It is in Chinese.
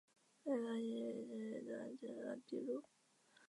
位于伦敦西敏市圣约翰伍德的阿比路。